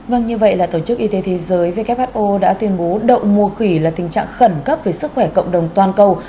vâng như vậy là tổ chức y tế thế giới who đã tuyên bố đậu mùa khỉ là tình trạng khẩn cấp về sức khỏe cộng đồng toàn cầu